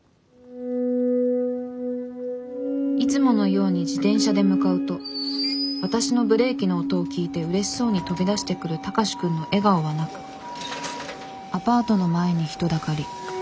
「いつものように自転車で向かうと私のブレーキの音を聞いてうれしそうに飛び出してくる高志くんの笑顔はなくアパートの前に人だかり。